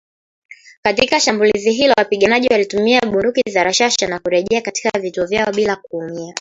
Katika shambulizi hilo wapiganaji walitumia bunduki za rashasha na kurejea katika vituo vyao bila kuumia